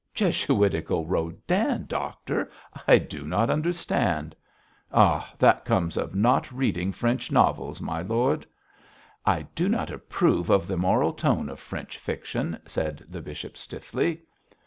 'Jesuitical Rodin, doctor! I do not understand.' 'Ah, that comes of not reading French novels, my lord!' 'I do not approve of the moral tone of French fiction,' said the bishop, stiffly.